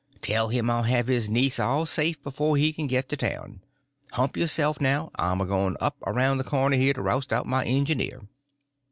Tell him I'll have his niece all safe before he can get to town. Hump yourself, now; I'm a going up around the corner here to roust out my engineer."